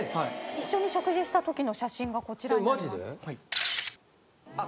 一緒に食事したときの写真がこちらにあります。